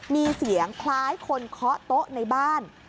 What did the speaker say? มีเสียงคล้ายคนเคาะโต๊ะในบ้าน